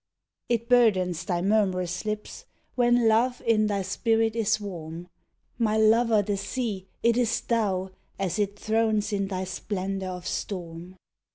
It burdens thy murmurous lips When love in thy spirit is warm My lover the sea, it is thou As it thrones in thy splendour of storm.